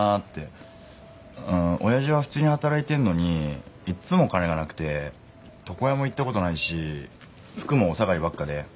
おやじは普通に働いてるのにいつも金がなくて床屋も行った事ないし服もお下がりばっかで。